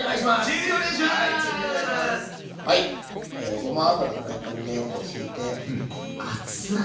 ごま油フライパンにねひいて。